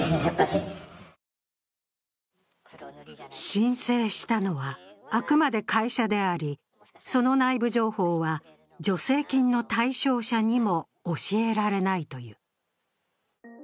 申請したのは、あくまで会社であり、その内部情報は助成金の対象者にも教えられないという。